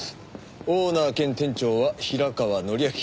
オーナー兼店長は平川典明。